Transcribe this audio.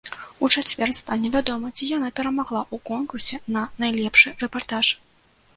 У чацвер стане вядома, ці яна перамагла ў конкурсе на найлепшы рэпартаж.